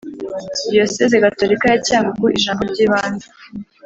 diyosezi gatolika ya cyangugu ijambo ry’ibanze